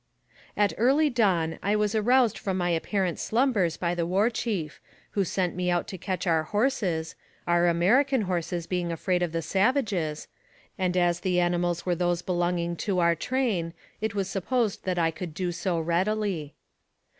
At early dawn I was aroused from my apparent slumbers by the war chief, who sent me out to catch the horses our American horses being afraid of the savages and as the animals were those belonging to our train, it was supposed that I could do so readily.